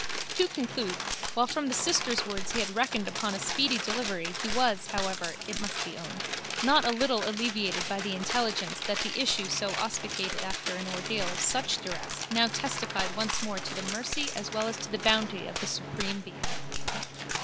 To conclude, while from the sister's words he had reckoned upon a speedy delivery he was, however, it must be owned, not a little alleviated by the intelligence that the issue so auspicated after an ordeal of such duress now testified once more to the mercy as well as to the bounty of the Supreme Being.